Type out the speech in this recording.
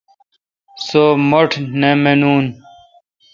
سو مٹھ نہ مانوں۔